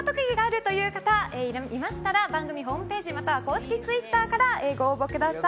という方がいましたら番組ホームページまたは公式ツイッターからご応募ください。